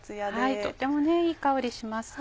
とってもいい香りしますね。